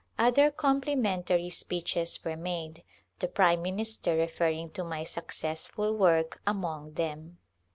Other complimentary speeches were made, the prime minister referring to my successful work among them.